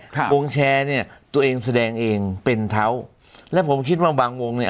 วงแชร์เนี่ยตัวเองแสดงเองเป็นเท้าและผมคิดว่าบางวงเนี้ย